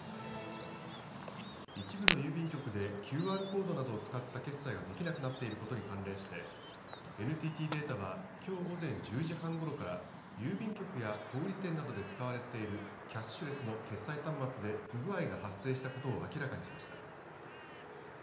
一部の郵便局でＱＲコードなどを使った決済ができなくなっていることに関連してＮＴＴデータはきょう午前１０時半ごろから郵便局や小売店などで使われているキャッシュレスの決済端末で不具合が発生したことを明らかにしました。